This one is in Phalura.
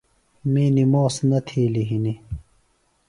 می نِموس نہ تھیلیۡ ہِنیۡ۔